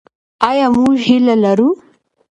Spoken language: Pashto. آیا موږ هیله لرو؟